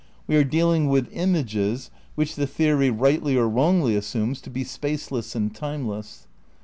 We are dealing with "images" which the theory rightly or wrongly assumes to be spaceless and time less.